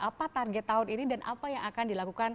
apa target tahun ini dan apa yang akan dilakukan